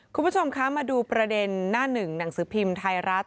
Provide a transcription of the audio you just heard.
คุณผู้ชมคะมาดูประเด็นหน้าหนึ่งหนังสือพิมพ์ไทยรัฐ